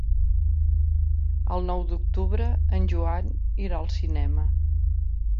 El nou d'octubre en Joan irà al cinema.